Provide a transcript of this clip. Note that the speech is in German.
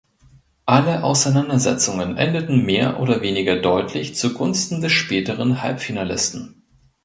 Alle Auseinandersetzungen endeten mehr oder weniger deutlich zu Gunsten des späteren Halbfinalisten.